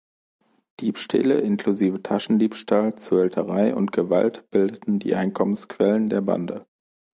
Diebstähle, inklusive Taschendiebstahl, Zuhälterei und Gewalt bildeten die Einkommensquellen der Bande.